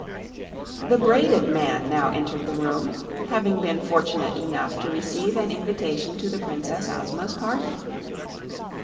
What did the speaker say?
The Braided Man now entered the room, having been fortunate enough to receive an invitation to the Princess Ozma's party.